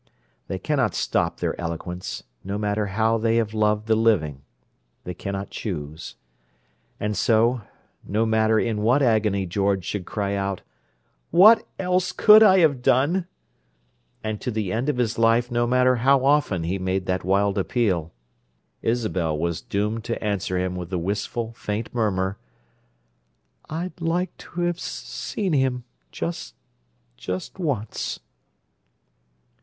They cannot stop their eloquence, no matter how they have loved the living: they cannot choose. And so, no matter in what agony George should cry out, "What else could I have done?" and to the end of his life no matter how often he made that wild appeal, Isabel was doomed to answer him with the wistful, faint murmur: "I'd like to have—seen him. Just—just once."